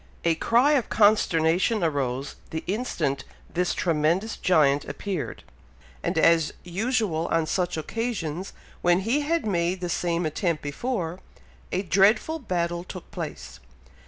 A cry of consternation arose the instant this tremendous giant appeared; and as usual on such occasions, when he had made the same attempt before, a dreadful battle took place.